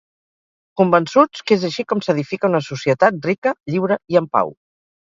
Convençuts que és així com s’edifica una societat rica, lliure i en pau.